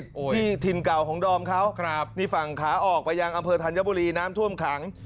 ที่ถิ่นเก่าของดอมเขาครับนี่ฝั่งขาออกไปยังอำเภอธัญบุรีน้ำท่วมขัง